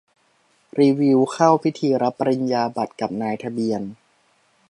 รีวิว เข้าพิธีรับปริญญาบัตรกับนายทะเบียน